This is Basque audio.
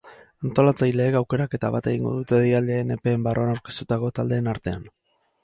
Antolatzaileek aukeraketa bat egingo dute deialdien epeen barruan aurkeztutako taldeen artean.